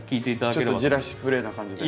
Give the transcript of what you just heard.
ちょっとじらしプレイな感じで。